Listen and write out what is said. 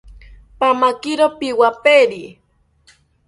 Pamakiro piwaperite